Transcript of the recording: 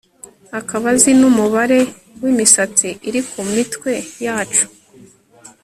akaba azi numubare wimisatsi iri ku mitwe yacu